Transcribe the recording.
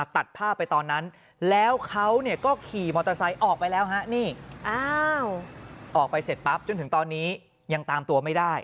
ตัดภาพไปตอนนั้นแล้วเขาก็ขี่มอเตอร์ไซค์ออกไปแล้วฮะนี่ออกไปเสร็จปั๊บจนถึงตอนนี้ยังตามตัวไม่ได้